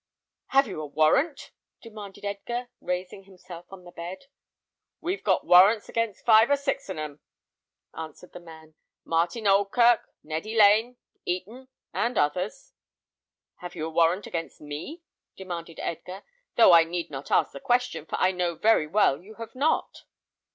"Have you a warrant?" demanded Edgar, raising himself on the bed. "We've got warrants against five or six on 'em," answered the man; "Martin Oldkirk, Neddy Lane, Eaton, and others." "Have you a warrant against me?" demanded Edgar; "though I need not ask the question, for I know very well you have not."